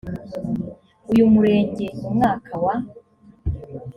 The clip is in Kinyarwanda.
uyu murenge mu mwaka wa